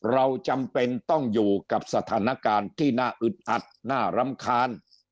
เราจำเป็นต้องอยู่กับสถานการณ์ที่น่าอึดอัดน่ารำคาญ